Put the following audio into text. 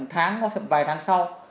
tháng hoặc thậm chí vài tháng sau